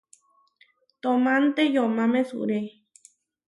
Toomanté yomá mesúre.